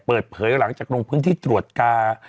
เปิดเผยหลังจากลงพื้นที่ตรวจกา